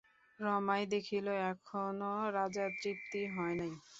রমাই দেখিল, এখনও রাজার তৃপ্তি হয় নাই।